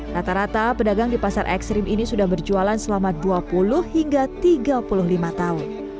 rata rata pedagang di pasar ekstrim ini sudah berjualan selama dua puluh hingga tiga puluh lima tahun